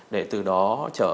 để từ đó đến ngày hôm nay